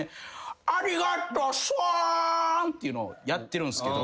「ありがとさん」っていうのをやってるんすけど。